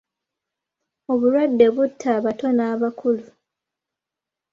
Obulwadde butta abato n'abakulu.